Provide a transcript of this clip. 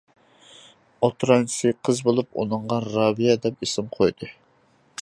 ئوتتۇرانچىسى قىز بولۇپ ئۇنىڭغا «رابىيە» دەپ ئىسىم قويدى.